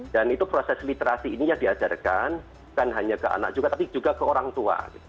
dan itu proses literasi ini yang diajarkan bukan hanya ke anak juga tapi juga ke orang tua